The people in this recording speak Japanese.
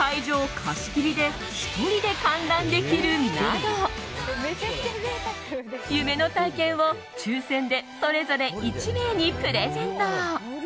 貸し切りで１人で観覧できるなど夢の体験を抽選でそれぞれ１名にプレゼント！